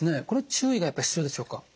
これ注意がやっぱ必要でしょうか？